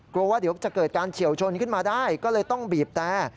กลัวว่าเดี๋ยวจะเกิดการเฉียวชนขึ้นมาได้ก็เลยต้องบีบแต่